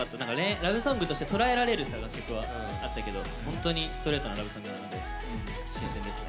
ラブソングとして捉えられる楽曲はあったけど本当にストレートなラブソングなので新鮮ですね。